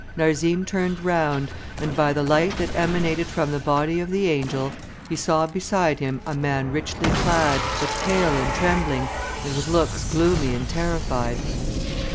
Narzim turned round, and by the light that emanated from the body of the angel, he saw beside him a man richly clad, but pale and trembling, and with looks gloomy and terrified.